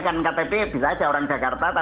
kan ktp bisa aja orang jakarta